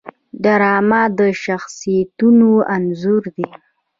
ډرامه د شخصیتونو انځور دی